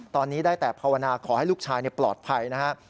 ตอนนี้ได้แต่ภาวนาขอให้ลูกชายปลอดภัยนะครับ